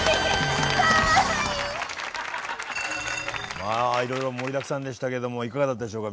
まあいろいろ盛りだくさんでしたけどもいかがだったでしょうか？